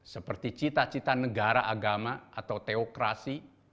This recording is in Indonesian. seperti cita cita negara agama atau teokrasi